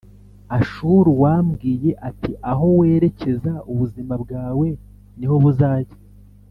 Ashulu wambwiye ati aho werekeza ubuzima bwawe ni ho buzajya